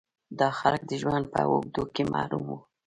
دا خلک د ژوند په اوږدو کې محروم وو.